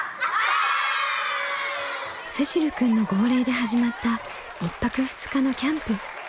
せしるくんの号令で始まった１泊２日のキャンプ。